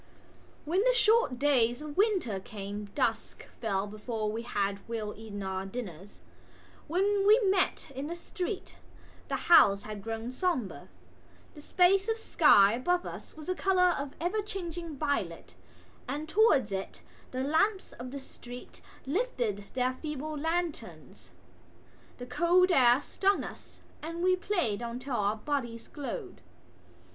When the short days of winter came dusk fell before we had well eaten our dinners. When we met in the street the houses had grown sombre. The space of sky above us was the colour of ever changing violet and towards it the lamps of the street lifted their feeble lanterns. The cold air stung us and we played till our bodies glowed.